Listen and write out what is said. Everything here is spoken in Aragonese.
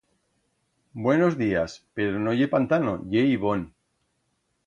Buenos días, pero no ye pantano, ye ibón.